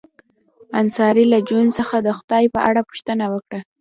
انصاري له جون څخه د خدای په اړه پوښتنه وکړه